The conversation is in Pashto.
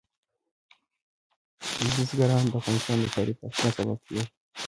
بزګان د افغانستان د ښاري پراختیا سبب کېږي.